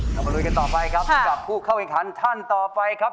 เรามาลุยกันต่อไปครับกับผู้เข้าแข่งขันท่านต่อไปครับ